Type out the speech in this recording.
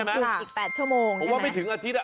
ใช่ไหม้ะคืออีกแปดชั่วโมงนะน่ะผมว่าไม่ถึงอาทิตย์อ่ะ